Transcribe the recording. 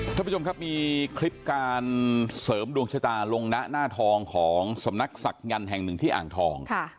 ท่านผู้ชมครับมีคลิปการเสริมดวงชะตาลงนะหน้าทองของสำนักศักดิ์แห่งหนึ่งที่อ่างทอง